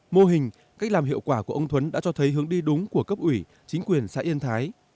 mô hình cách làm hiệu quả của ông thuấn đã cho thấy hướng đi đúng của cấp ủy chính quyền xã yên thái